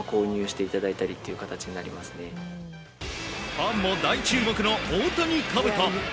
ファンも大注目の大谷かぶと。